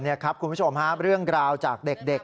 นี่ครับคุณผู้ชมฮะเรื่องราวจากเด็ก